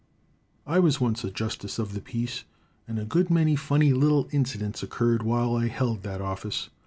I was once a justice of the peace, and a good many funny little incidents occurred while I held that office.